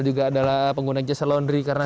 juga adalah pengguna jasa laundry karena